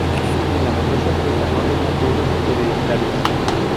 La nobleza sueca no tenía feudos hereditarios.